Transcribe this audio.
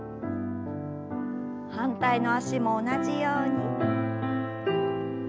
反対の脚も同じように。